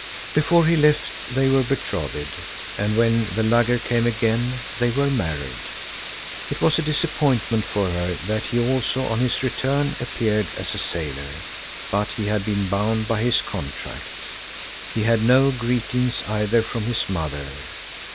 Before he left they were betrothed, and when the lugger came again, they were married. It was a disappointment for her that he also on his return appeared as a sailor, but he had been bound by his contract. He had no greetings either from his mother.